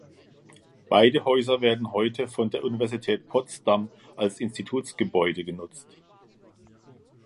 Beide Häuser werden heute von der Universität Potsdam als Institutsgebäude genutzt.